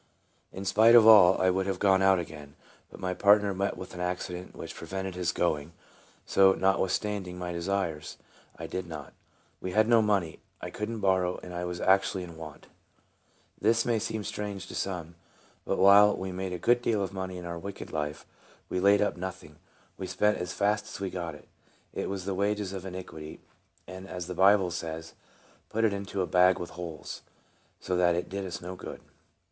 In spite of all, I would have gone out again> but my partner met with an accident which prevented his going, so, notwithstanding my desires, I did not. We had no money; I could n't borrow, and I was actually in want. This may seem strange to some; but while we made a good deal of money in our wicked life, we laid up nothing, but spent as fast as we got it. It was the wages of iniquity, and as the Bible says, " put into a bag with holes," so that it did us no good.